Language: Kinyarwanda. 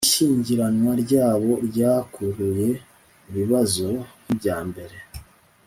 Ishyingiranwa ryabo ryakuruye ibibazo nkibyambere